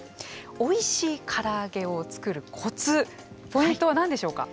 おいしいから揚げを作るコツポイントは何でしょうか？